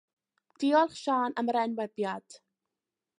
Diolch Siân am yr enwebiad.